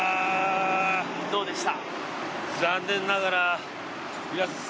どうでした？